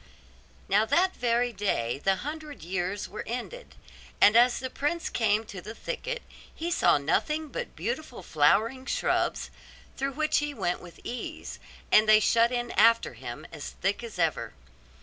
Now that very day the hundred years were ended; and as the prince came to the thicket he saw nothing but beautiful flowering shrubs, through which he went with ease, and they shut in after him as thick as ever.